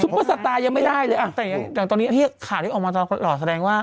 เปอร์สตาร์ยังไม่ได้เลยอ่ะแต่อย่างตอนนี้ที่ข่าวนี้ออกมาตลอดแสดงว่า